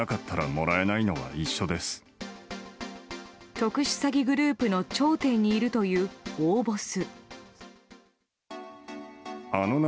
特殊詐欺グループの頂点にいるという大ボス。